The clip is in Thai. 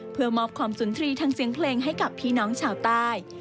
เพื่อมอบความสุนทรีย์ทางเสียงเพลงให้กับพี่น้องชาวใต้